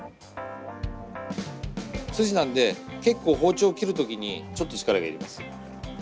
スジなんで結構包丁切る時にちょっと力がいります